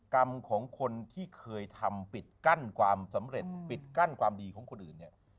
กรรมของคนที่เคยทำปิดกั้นความสำเร็จปิดกั้นความดีของคนอื่นเนี่ย